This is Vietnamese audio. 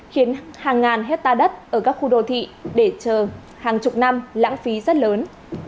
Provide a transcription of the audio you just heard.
khiến hàng ngàn hectare đất ở các khu đô thị để chờ hàng chục năm lãng phí rất lớn